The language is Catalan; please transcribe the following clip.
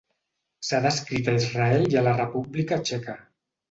S'ha descrit a Israel i a la República Txeca.